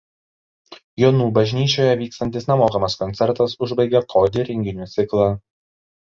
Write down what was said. Jonų bažnyčioje vykstantis nemokamas koncertas užbaigia KoDi renginių ciklą.